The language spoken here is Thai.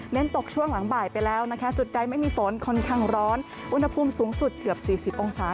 ตกช่วงหลังบ่ายไปแล้วนะคะจุดใดไม่มีฝนค่อนข้างร้อนอุณหภูมิสูงสุดเกือบ๔๐องศา